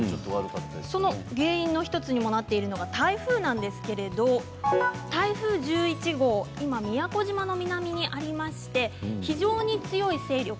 その原因の１つにもなっているのが、台風なんですけれども台風１１号宮古島の南にありまして非常に強い勢力